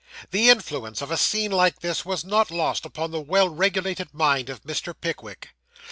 The influence of a scene like this, was not lost upon the well regulated mind of Mr. Pickwick.